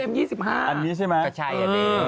ตอนนี้ใช่ไหมอ๋ออ๋ออ๋ออ๋ออ๋ออ๋ออ๋ออ๋ออ๋ออ๋อ